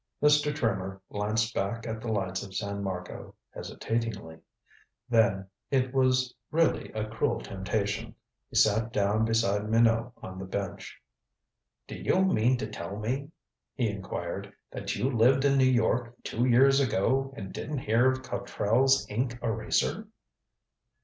Mr. Trimmer glanced back at the lights of San Marco, hesitatingly. Then it was really a cruel temptation he sat down beside Minot on the bench. "Do you mean to tell me," he inquired, "that you lived in New York two years ago and didn't hear of Cotrell's Ink Eraser?"